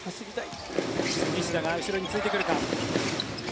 西田が後ろについてくるか。